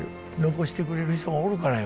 残してくれる人がおるからよ。